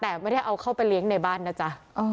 แต่ไม่ได้เอาเข้าไปเลี้ยงในบ้านนะจ๊ะ